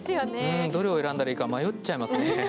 どれを選んだらいいか迷っちゃいますよね。